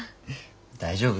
大丈夫？